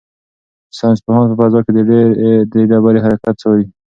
ساینس پوهان په فضا کې د دې ډبرې حرکت څاري.